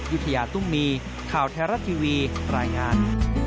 ยุธยาตุ้มมีข่าวไทยรัฐทีวีรายงาน